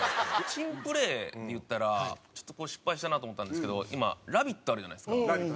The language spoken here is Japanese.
珍プレーで言ったらちょっとこれ失敗したなと思ったんですけど今『ラヴィット！』あるじゃないですか。